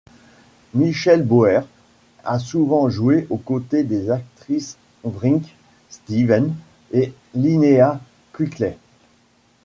Michelle Bauer a souvent joué aux côtés des actrices Brinke Stevens et Linnea Quigley.